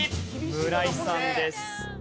村井さんです。